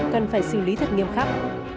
cần phải xử lý thật nghiêm khắc